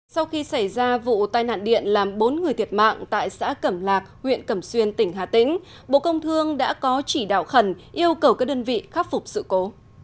sau khi xảy ra vụ tai nạn điện làm bốn người thiệt mạng tại xã cẩm lạc huyện cẩm xuyên tỉnh hà tĩnh bộ công thương đã có chỉ đạo khẩn yêu cầu các đơn vị khắc phục sự cố